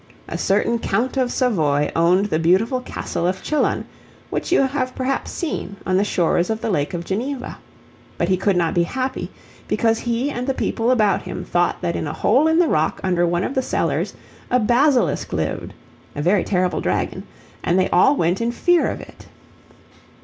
A certain Count of Savoy owned the beautiful Castle of Chillon, which you have perhaps seen, on the shores of the Lake of Geneva. But he could not be happy, because he and the people about him thought that in a hole in the rock under one of the cellars a basilisk lived a very terrible dragon and they all went in fear of it.